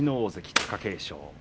貴景勝